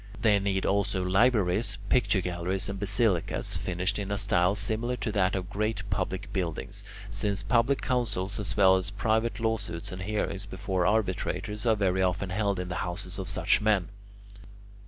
They need also libraries, picture galleries, and basilicas, finished in a style similar to that of great public buildings, since public councils as well as private law suits and hearings before arbitrators are very often held in the houses of such men.